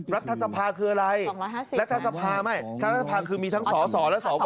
รัฐสภาคืออะไรรัฐสภาคือมีทั้งสอสอและสอวอ